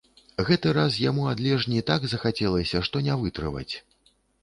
Гэты раз яму ад лежні так захацелася, што не вытрываць.